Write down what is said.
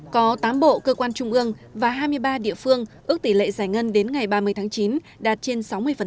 có tám bộ cơ quan trung ương và hai mươi ba địa phương ước tỷ lệ giải ngân đến ngày ba mươi tháng chín đạt trên sáu mươi